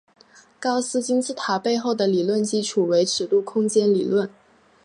高斯金字塔背后的理论基础为尺度空间理论。